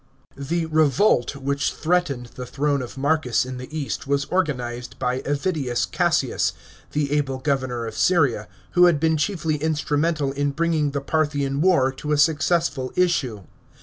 § 15. The revolt which threatened the throne of Marcus in the East was organized by Avidius Cassius, the able governor of Syria, who had been chiefly instrumental in bringing the Parthian war to a successful issue.